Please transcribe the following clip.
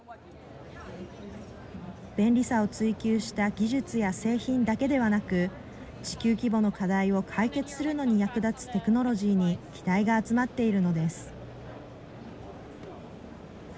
便利さを追求した技術や製品だけではなく地球規模の課題を解決するのに役立つテクノロジーに期待が集まっているのです。